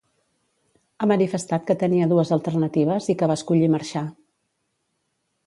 Ha manifestat que tenia dues alternatives i que va escollir marxar.